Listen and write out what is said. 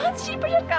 aku mau jadi pacar kamu